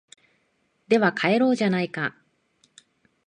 では帰ろうじゃないか